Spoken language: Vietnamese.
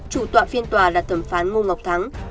chủ tọa phiên tòa là thẩm phán ngô ngọc thắng